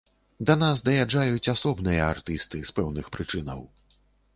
Да нас даязджаюць асобныя артысты, з пэўных прычынаў.